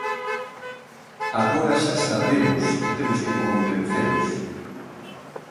Agora xa sabemos que temos que convencelos.